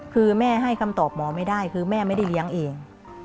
คือแม่ให้คำตอบหมอไม่ได้คือแม่ไม่ได้เลี้ยงเอง